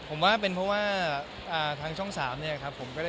ผมว่าเป็นเพราะว่าทางช่อง๓เนี่ยครับ